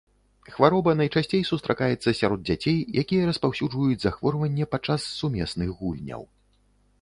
Хвароба найчасцей сустракаецца сярод дзяцей, якія распаўсюджваюць захворванне падчас сумесных гульняў.